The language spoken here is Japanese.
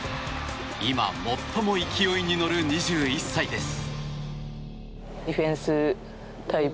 今、最も勢いに乗る２１歳です。